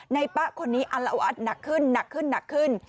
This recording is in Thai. ป๊ะคนนี้อัลวัดหนักขึ้นหนักขึ้นหนักขึ้น